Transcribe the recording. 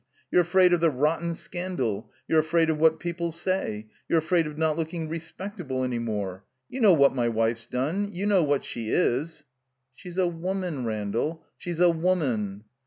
You're afraid of the rotten scandal; you're afraid of what people '11 say; you're afraid of not looking respectable any more. You know what my wife's done — ^you know what she is —" "She's a woman, Randall, she's a woman."